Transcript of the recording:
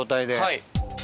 はい。